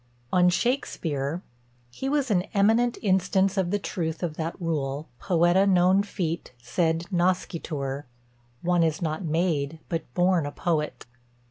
On SHAKSPEARE. "He was an eminent instance of the truth of that rule, poëta non fit, sed nascitur; one is not made, but born a poet.